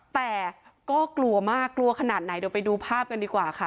แต่ก็กลัวมากกลัวขนาดไหนเดี๋ยวไปดูภาพกันดีกว่าค่ะ